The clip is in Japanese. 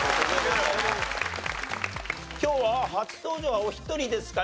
今日は初登場はお一人ですかね？